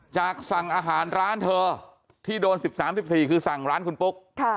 สั่งอาหารร้านเธอที่โดน๑๓๑๔คือสั่งร้านคุณปุ๊ก